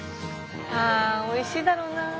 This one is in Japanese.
ああ美味しいだろうな。